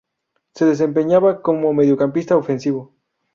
Se desempeñaba como mediocampista ofensivo.